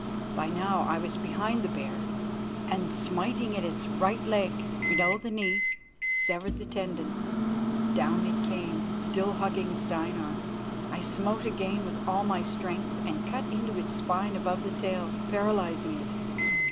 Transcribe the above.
By now I was behind the bear, and, smiting at its right leg below the knee, severed the tendon. Down it came, still hugging Steinar. I smote again with all my strength, and cut into its spine above the tail, paralysing it.